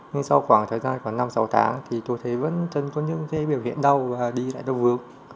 nhưng sau khoảng thời gian khoảng năm sáu tháng thì tôi thấy vẫn chân có những cái biểu hiện đau và đi lại đau vướng